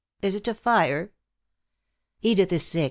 "Is it a fire?" "Edith is sick.